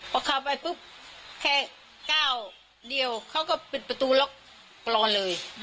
พอเข้าไปปุ๊บแค่ก้าวเดียวเขาก็ปิดประตูล็อกรอเลย